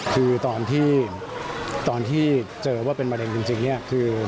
คือตอนที่เจอว่าเป็นโรคมะเร็งจริงเนี่ย